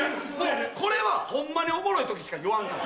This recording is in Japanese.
これはホンマにおもろい時しか言わんから。